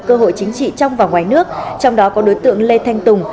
cơ hội chính trị trong và ngoài nước trong đó có đối tượng lê thanh tùng